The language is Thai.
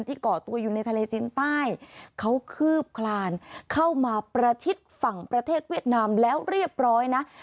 ก่อตัวอยู่ในทะเลจีนใต้เขาคืบคลานเข้ามาประชิดฝั่งประเทศเวียดนามแล้วเรียบร้อยนะ